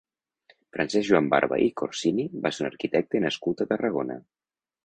Francesc Joan Barba i Corsini va ser un arquitecte nascut a Tarragona.